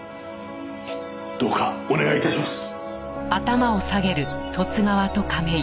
どうかお願い致します。